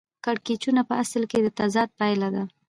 کړکېچونه په اصل کې د تضاد پایله ده